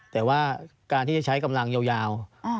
แต่ว่าการที่จะใช้กำลังยาว